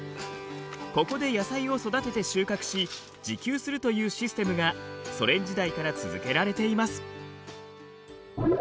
ここで野菜を育てて収穫し自給するというシステムがソ連時代から続けられています。